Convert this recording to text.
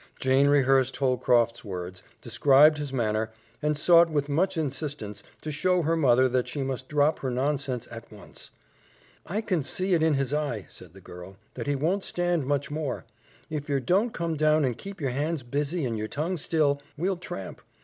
Jane rehearsed Holcroft's words, described his manner, and sought with much insistence to show her mother that she must drop her nonsense at once. "I can see it in his eye," said the girl, "that he won't stand much more. If yer don't come down and keep yer hands busy and yer tongue still, we'll tramp.